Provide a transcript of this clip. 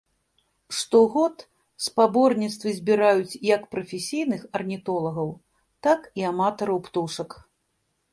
Штогод спаборніцтвы збіраюць як прафесійных арнітолагаў, так і аматараў птушак.